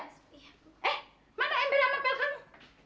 eh mana embernya sama pel kamu